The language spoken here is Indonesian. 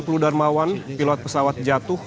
puludarmawan pilot pesawat jatuh